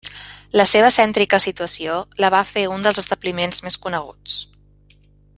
La seva cèntrica situació la va fer un dels establiments més coneguts.